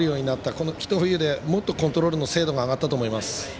このひと冬でもっとコントロールの精度が上がったと思います。